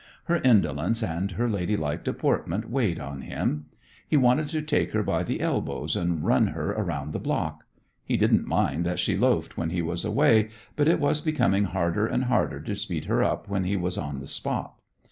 Her indolence and her ladylike deportment weighed on him. He wanted to take her by the elbows and run her around the block. He didn't mind that she loafed when he was away, but it was becoming harder and harder to speed her up when he was on the spot.